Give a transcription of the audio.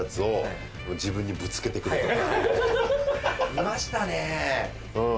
いましたね。